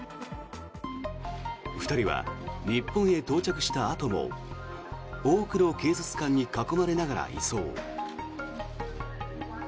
２人は日本へ到着したあとも多くの警察官に囲まれながら移送。